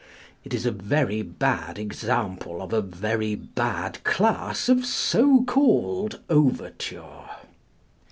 It is a very bad example of a very bad class of so called overture.